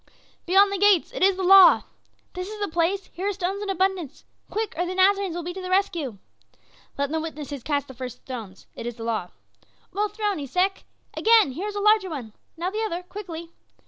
"Beyond the gates it is the law!" "This is the place here are stones in abundance! Quick! or the Nazarenes will be to the rescue." "Let the witnesses cast the first stones it is the law!" "Well thrown, Esek! Again here is a larger one! Now the other, quickly!"